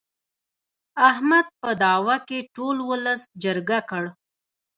احمد په دعوه کې ټول ولس چرګه کړ.